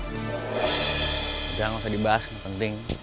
udah gak usah dibahas gak penting